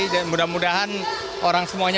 dan mudah mudahan orang sebutnya